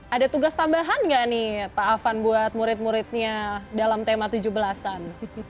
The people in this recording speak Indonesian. ada tugas tambahan nggak nih pak afan buat murid muridnya dalam tema tujuh belas an